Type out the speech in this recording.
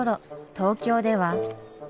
東京では。